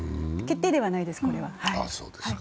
決定ではないです、これは。